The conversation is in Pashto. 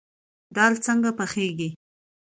دال څنګه پخیږي؟